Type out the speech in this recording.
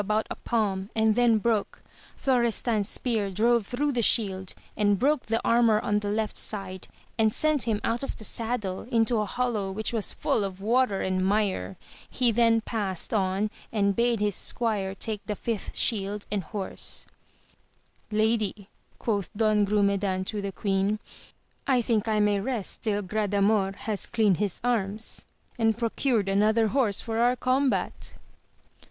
7 about a palm and then broke, Florestan's spear drove tlirough the shield, and broke the armour op the left side, and sent him out of the saddle into a hollow which was full of water and mire. He then passed on and bade his squire take the fifth shield and horse. Lady, quoth Don Grumedan to the queen, I think I may rest till Gradamor has cleaned his arms, and procured another horse for our combat